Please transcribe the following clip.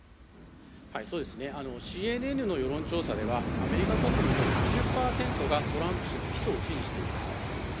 ＣＮＮの世論調査では、アメリカ国民の６０％がトランプ氏の基礎を支持しています。